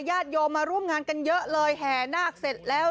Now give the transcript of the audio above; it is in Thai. ญาติโยมมาร่วมงานกันเยอะเลยแห่นาคเสร็จแล้ว